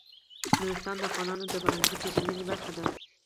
نورستان د افغانانو د فرهنګي پیژندنې برخه ده.